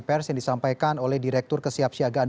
pers yang disampaikan oleh direktur kesiapsiagaan